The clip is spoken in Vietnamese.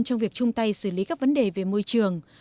trong việc chung tay xử lý các vấn đề về môi trường